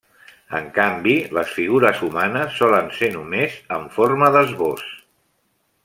En canvi les figures humanes solen ser només en forma d'esbós.